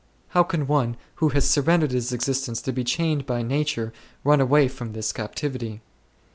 How can one' who has surrendered his existence to be chained by nature run away from this captivity